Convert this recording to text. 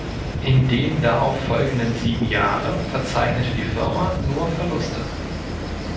In den darauf folgenden sieben Jahren verzeichnete die Firma nur Verluste.